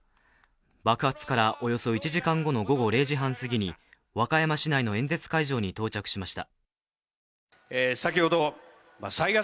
爆発からおよそ１時間後の午後０時半過ぎに和歌山市内の演説会場に到着しました。